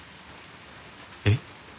えっ？